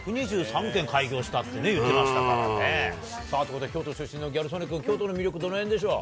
１２３軒開業したって言ってましたからね。ということで、京都出身のギャル曽根君、京都の魅力、どのへんでしょう？